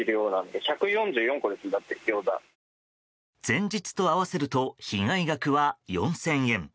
前日と合わせると被害額は４０００円。